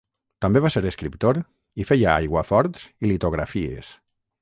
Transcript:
També va ser escriptor i feia aiguaforts i litografies.